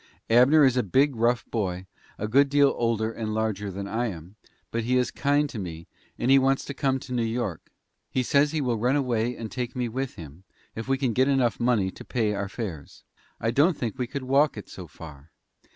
Abner is a big, rough boy, a good deal older and larger than I am, but he is kind to me and he wants to come to New York. He says he will run away and take me with him, if we can get enough money to pay our fares. I don't think we could walk it so far.